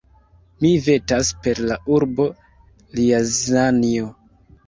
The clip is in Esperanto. Mi vetas per la urbo Rjazanjo!